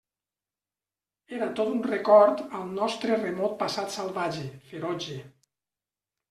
Era tot un record al nostre remot passat salvatge, ferotge.